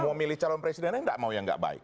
mau milih calon presidennya nggak mau yang nggak baik